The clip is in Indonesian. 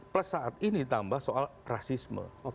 plus saat ini tambah soal rasisme